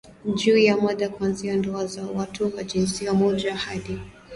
juu ya mada kuanzia ndoa za watu wa jinsia moja hadi